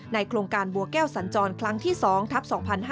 โครงการบัวแก้วสัญจรครั้งที่๒ทัพ๒๕๕๙